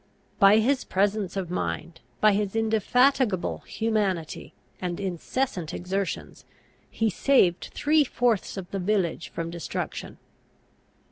By his presence of mind, by his indefatigable humanity and incessant exertions, he saved three fourths of the village from destruction.